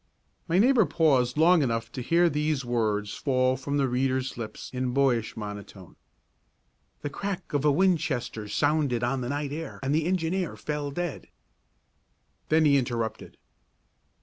My neighbour paused long enough to hear these words fall from the reader's lips in boyish monotone: "The crack of a Winchester sounded on the night air and the engineer fell dead!" Then he interrupted.